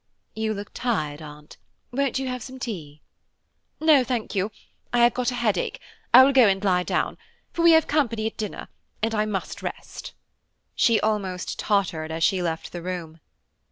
You look tired, Aunt–won't you have some tea?" "No, I thank you, I have got a headache; I will go and lie down, for we have company at dinner, and I must rest." She almost tottered as she left the room.